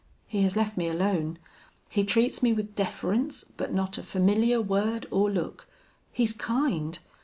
He has left me alone. He treats me with deference, but not a familiar word or look. He's kind.